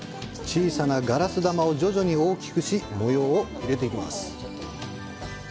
小さなガラス玉を徐々に大きくし、模様を入れていきます。